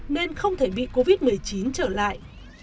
nên không thể bị covid một mươi chín trở lại